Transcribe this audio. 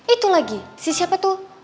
itu lagi si siapa tuh